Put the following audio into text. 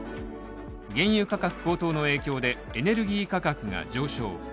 原油価格高騰の影響でエネルギー価格が上昇。